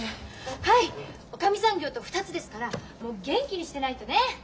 はいおかみさん業と２つですから元気にしてないとね！